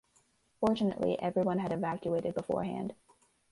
Fortunately everyone had evacuated beforehand.